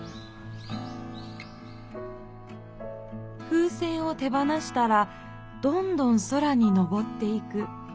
風船を手放したらどんどん空にのぼっていく。